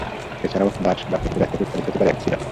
এছাড়াও, বার্চ বা খেজুর গাছ থেকে উৎপাদিত হতে পারে একই সিরাপ।